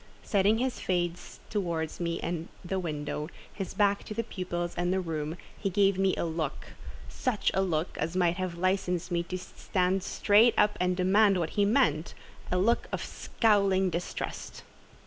Setting his face towards me and the window, his back to the pupils and the room, he gave me a look—such a look as might have licensed me to stand straight up and demand what he meant—a look of scowling distrust.